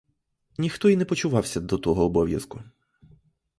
Ніхто й не почувався до того обов'язку.